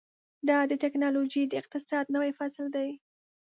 دا د ټیکنالوژۍ د اقتصاد نوی فصل دی.